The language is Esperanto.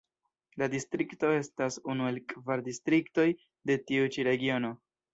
La distrikto estas unu el kvar distriktoj de tiu ĉi regiono.